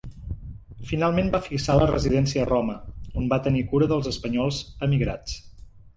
Finalment va fixar la residència a Roma, on va tenir cura dels espanyols emigrats.